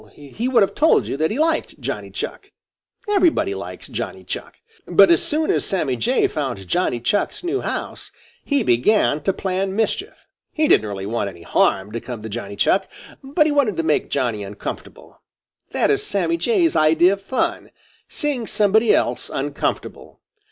He would have told you that he liked Johnny Chuck. Everybody likes Johnny Chuck. But just as soon as Sammy Jay found Johnny Chuck's new house, he began to plan mischief. He didn't really want any harm to come to Johnny Chuck, but he wanted to make Johnny uncomfortable. That is Sammy Jay's idea of fun seeing somebody else uncomfortable.